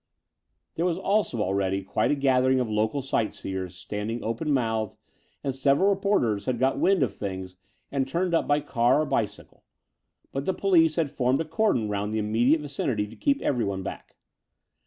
There was also already quite a gathering of local sightseers standing open mouthed, and several reporters had got wind of things and turned up by car or bicycle; but the police had formed a cordon round the immediate vicinity to keep everyone back.